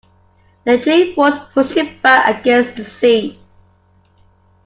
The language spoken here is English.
The G-force pushed him back against the seat.